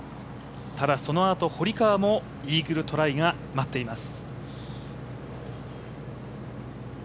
ただ、そのあと、堀川もイーグルトライが待っています。